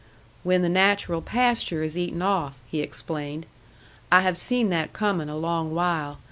"When the natural pasture is eaten off," he explained. "I have seen that coming a long while.